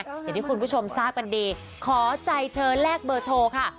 อย่างที่คุณผู้ชมทราบกันดีขอใจเธอแลกเบอร์โทรค่ะ